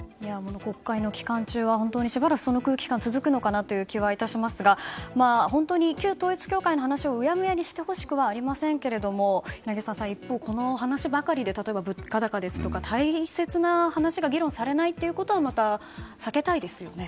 国会の期間中はしばらくその空気感が続くのかなという気がいたしますが本当に旧統一教会の話をうやむやにはしてほしくありませんが柳澤さん、一方この話ばかりで例えば、物価高ですとか大切な話が議論されないことはまた避けたいですよね。